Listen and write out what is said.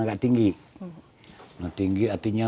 agak tinggi nah tinggi artinya